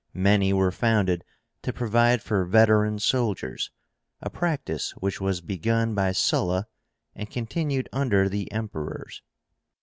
Many were founded to provide for veteran soldiers; a practice which was begun by Sulla, and continued under the Emperors.